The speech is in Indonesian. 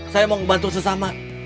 saya mau membantu sesama